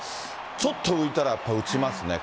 ちょっと浮いたら、やっぱ打ちますね。